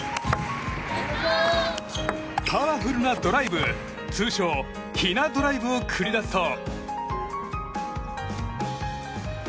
パワフルなドライブ通称ひなドライブを繰り出すと。